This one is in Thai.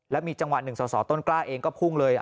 แล้วมีจังหวะหนึ่งสสต้นกล้าเองก็พุ่งเลย